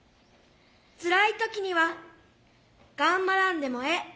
つらい時には「頑張らんでもええ